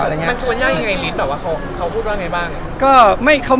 มันชวนยากยังไงนิดเขาพูดว่าไงบ้าง